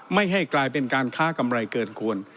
ไม่ให้กลายเป็นการค้ากำไรเกินควร